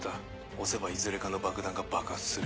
押せばいずれかの爆弾が爆発する。